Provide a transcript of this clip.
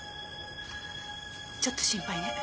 ちょっと心配ね。